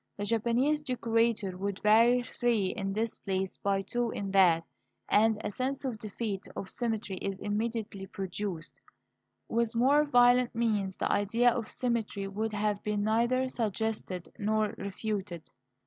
The Japanese decorator will vary three in this place by two in that, and a sense of the defeat of symmetry is immediately produced. With more violent means the idea of symmetry would have been neither suggested nor refuted.